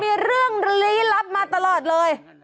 มีเรื่องลี้ลับมาตลอดเลย